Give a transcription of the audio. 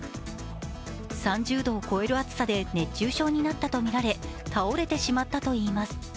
３０度を超える暑さで熱中症になったとみられ倒れてしまったといいます。